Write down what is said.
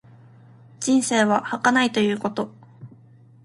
人生は儚いということ。